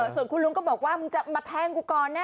ส่วนคุณลุงก็บอกว่ามึงจะมาแทงกูก่อนนะ